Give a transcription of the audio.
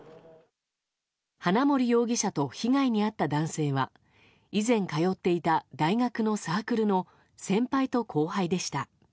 花森容疑者と被害に遭った男性は以前、通っていた大学のサークルの先輩と後輩でした。